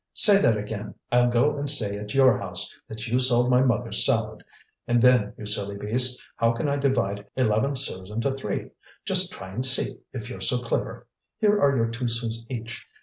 "Say that again! I'll go and say at your house that you sold my mother's salad. And then, you silly beast, how can I divide eleven sous into three? Just try and see, if you're so clever. Here are your two sous each.